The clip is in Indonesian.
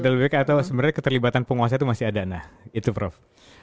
lebih baik atau sebenarnya keterlibatan penguasa itu masih ada nah itu prof